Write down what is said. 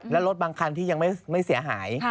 และรถบางคันที่ยังไม่เสียหาย